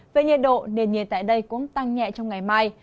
về nhiệt độ nền nhiệt tại đây cũng tăng nhẹ trong ngày mai